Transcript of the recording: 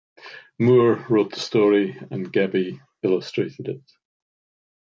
Moore wrote the story, and Gebbie illustrated it.